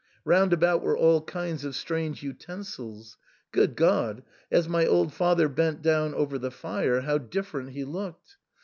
Round about were all kinds of strange utensils. Good God ! as my old father bent down over the fire how different he looked